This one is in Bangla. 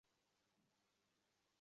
জাম্বালায়, গাম্বো।